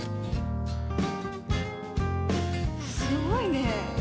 すごいね。